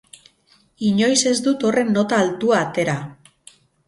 Inoiz ez dut horren nota altua atera.